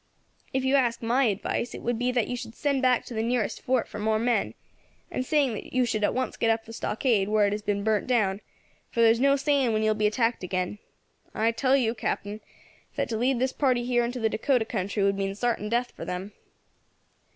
"'If you ask my advice, it would be that you should send back to the nearest fort for more men, and that you should at once get up the stockade where it has been burnt down, for there is no saying when you will be attacked again. I tell you, Captain, that to lead this party here into the Dacota country would mean sartin death for them.'